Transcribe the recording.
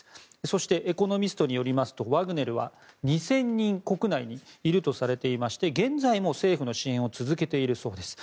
そしてエコノミストによりますとワグネルは２０００人国内にいるとされていまして現在も政府の支援を続けているそうです。